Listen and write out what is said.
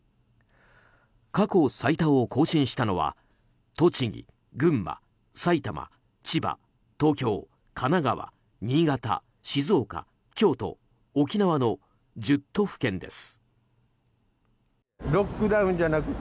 過去最多を更新したのは栃木、群馬、埼玉、千葉、東京神奈川、新潟、静岡京都、沖縄の１０都府県です。